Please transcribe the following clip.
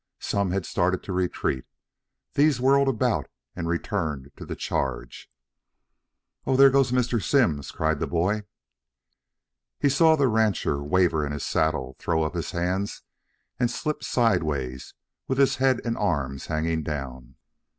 Some had started to retreat. These whirled about and returned to the charge. "Oh, there goes Mr. Simms!" cried the boy. He saw the rancher waver in the saddle, throw up his hands and slip sideways with head and arms hanging down.